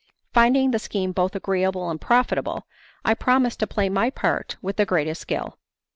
Finding the scheme both agreeable and profitable, I promised to play my part with the greatest skill.